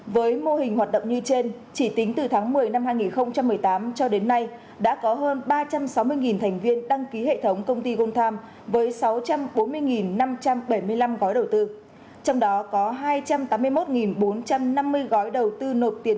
với mô hình hoạt động như trên chỉ tính từ tháng một mươi năm hai nghìn một mươi tám cho đến nay đã có hơn ba trăm sáu mươi thành viên đăng ký hệ thống công ty gold times với sáu trăm bốn mươi năm trăm bảy mươi năm gói đầu tư trong đó có hai trăm tám mươi một bốn trăm năm mươi gói đầu tư nộp tiền